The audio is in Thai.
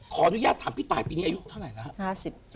ขอตัวแย่ต่างปีนี้ทายภาพตายที่ไหนนะฮะ